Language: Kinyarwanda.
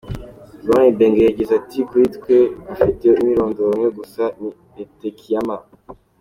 Florent Ibenge yagize ati : “Kuri twe, afite umwirondoro umwe gusa, ni Etekiama.